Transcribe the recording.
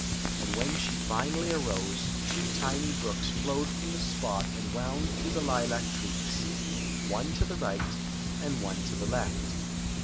And when she finally arose, two tiny brooks flowed from the spot and wound through the lilac trees — one to the right and one to the Ifeft.